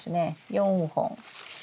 ４本。